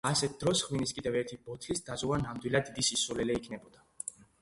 ასეთ დროს ღვინის კიდევ ერთი ბოთლის დაზოგვა ნამდვილად დიდი სისულელე იქნებოდა